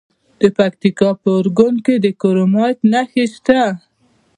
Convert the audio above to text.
د پکتیکا په اورګون کې د کرومایټ نښې شته.